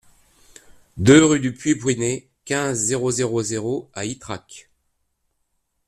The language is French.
deux rue du Puy Brunet, quinze, zéro zéro zéro à Ytrac